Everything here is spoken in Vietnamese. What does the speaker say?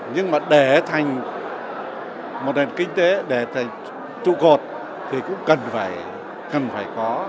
nhưng mà để thành một nền kinh tế trụ cột thì cũng cần phải có thêm những thời gian